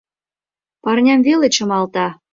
Парням веле чымалта!